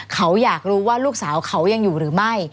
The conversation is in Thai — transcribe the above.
เขาอยากรู้ว่าลูกสาวเขายังอยู่หรือไม่